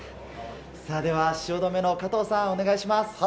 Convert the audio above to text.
汐留の加藤さん、お願いします。